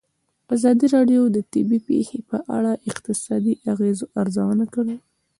ازادي راډیو د طبیعي پېښې په اړه د اقتصادي اغېزو ارزونه کړې.